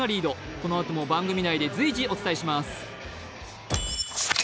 このあとも番組内で随時お伝えします。